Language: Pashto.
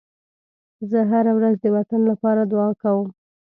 زه هره ورځ د وطن لپاره دعا کوم.